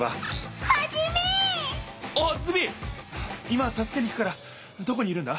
今たすけに行くからどこにいるんだ？